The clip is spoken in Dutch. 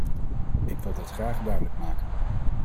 Ik wil dit graag duidelijk maken.